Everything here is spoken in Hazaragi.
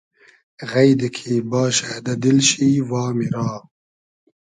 غݷدی کی باشۂ دۂ دیل شی وامی را